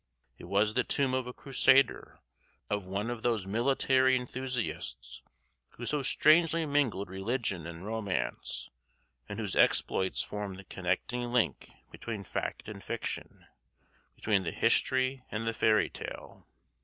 It was the tomb of a crusader, of one of those military enthusiasts who so strangely mingled religion and romance, and whose exploits form the connecting link between fact and fiction, between the history and the fairytale.